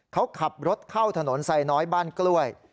เขาขับรถเข้าถนนไซน้อยบ้านกล้วย